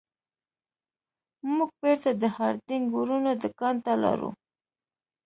موږ بیرته د هارډینګ ورونو دکان ته لاړو.